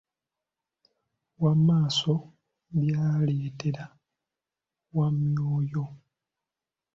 Wamaaso byaleetera Wamwoyo.